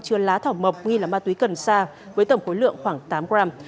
chừa lá thỏ mập nghi là ma túy cần sa với tổng khối lượng khoảng tám gram